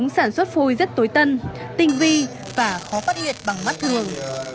sản xuất phôi rất tối tân tinh vi và khó phát hiện bằng mắt thường